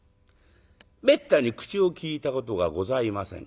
めったに口を利いたことがございません。